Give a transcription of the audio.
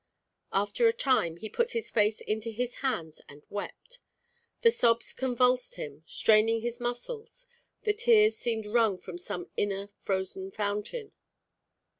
After a time he put his face into his hands and wept. The sobs convulsed him, straining his muscles; the tears seemed wrung from some inner frozen fountain.